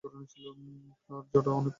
তার জড় অনেক মজবুত।